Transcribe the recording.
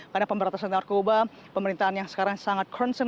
karena pemberantasan narkoba pemerintahan yang sekarang sangat concern